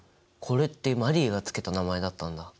これってマリーが付けた名前だったんだ。